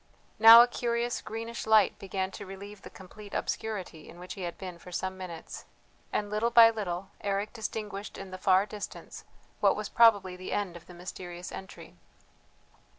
Now a curious greenish light began to relieve the complete obscurity in which he had been for some minutes, and little by little Eric distinguished in the far distance what was probably the end of the mysterious entry.